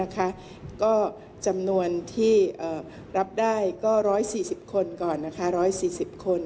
ก็จำนวนที่รับได้ก็๑๔๐คนก่อน๑๔๐คน